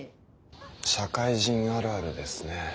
社会人あるあるですね。